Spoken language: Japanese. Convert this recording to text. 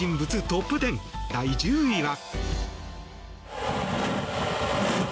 トップ１０第１０位は。